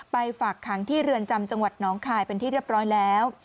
ฝากขังที่เรือนจำจังหวัดน้องคายเป็นที่เรียบร้อยแล้ว